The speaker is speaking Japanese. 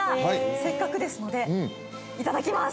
せっかくですのでいただきます